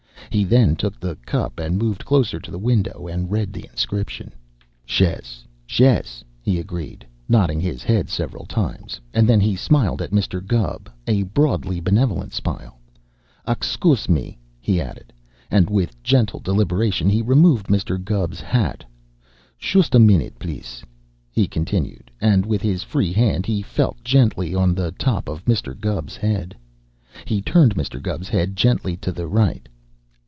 He then took the cup and moved closer to the window and read the inscription. "Shess! Shess!" he agreed, nodding his head several times, and then he smiled at Mr. Gubb a broadly benevolent smile. "Oxcoose me!" he added, and with gentle deliberation he removed Mr. Gubb's hat. "Shoost a minute, please!" he continued, and with his free hand he felt gently of the top of Mr. Gubb's head. He turned Mr. Gubb's head gently to the right.